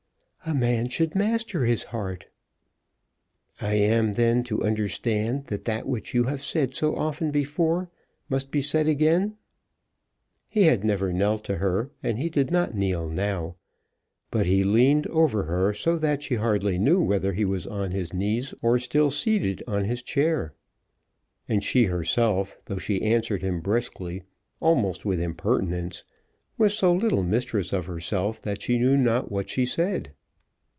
"A man should master his heart." "I am, then, to understand that that which you have said so often before must be said again?" He had never knelt to her, and he did not kneel now; but he leaned over her so that she hardly knew whether he was on his knees or still seated on his chair. And she herself, though she answered him briskly, almost with impertinence, was so little mistress of herself that she knew not what she said.